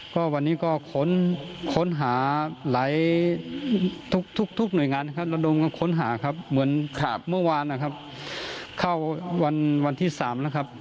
ก็วันนี้ก็ค้นหาหลายทุกหน่วยงานนะครับระดมกันค้นหาครับเหมือนเมื่อวานนะครับเข้าวันที่๓นะครับ